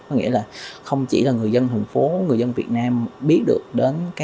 có nghĩa là không chỉ là người dân thành phố người dân việt nam biết được